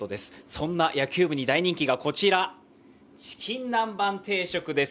そんな野球部に大人気がこちら、チキン南蛮定食です